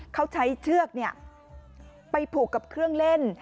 เขาใช้เชือกไปผูกกับเครื่องเล่น